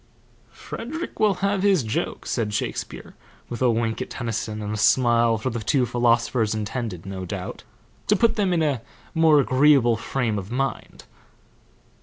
'" "Frederick will have his joke," said Shakespeare, with a wink at Tennyson and a smile for the two philosophers, intended, no doubt, to put them in a more agreeable frame of mind.